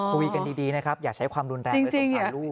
คุยกันดีนะครับอย่าใช้ความรุนแรงเลยสงสารลูก